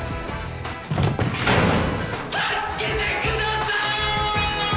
助けてくださーい！